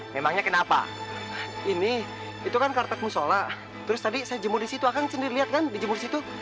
memangnya kenapa ini itu kan karpet musola terus tadi saya jemur di situ akan sendiri lihat kan dijemur situ